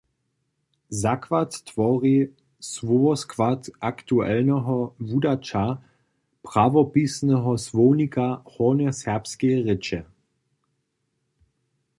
Zakład twori słowoskład aktualneho wudaća Prawopisneho słownika hornjoserbskeje rěče.